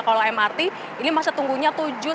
kalau mrt ini masa tunggunya tujuh delapan menit